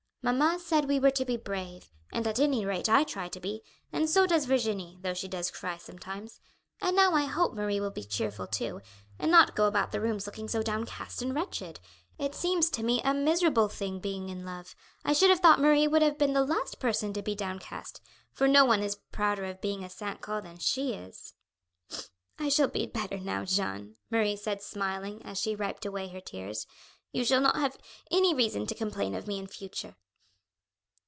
Mamma said we were to be brave; and at anyrate I try to be, and so does Virginie, though she does cry sometimes. And now I hope Marie will be cheerful too, and not go about the rooms looking so downcast and wretched. It seems to me a miserable thing being in love. I should have thought Marie would have been the last person to be downcast, for no one is prouder of being a St. Caux than she is." "I shall be better now, Jeanne," Marie said smiling, as she wiped away her tears. "You shall not have any reason to complain of me in future.